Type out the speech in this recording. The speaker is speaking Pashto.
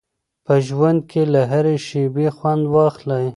په ژوند کي له هرې شیبې خوند واخلئ.